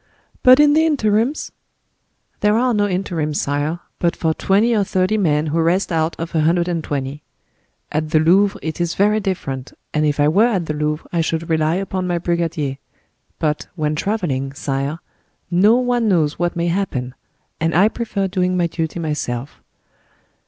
"But in the interims?" "There are no interims, sire, but for twenty or thirty men who rest out of a hundred and twenty. At the Louvre it is very different, and if I were at the Louvre I should rely upon my brigadier; but, when traveling, sire, no one knows what may happen, and I prefer doing my duty myself."